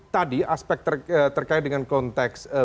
tadi aspek terkait dengan konteks